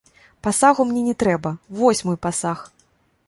Пасагу мне не трэба, вось мой пасаг.